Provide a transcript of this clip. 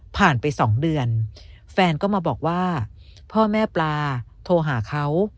ไป๒เดือนแฟนก็มาบอกว่าพ่อแม่ปลาโทรหาเขา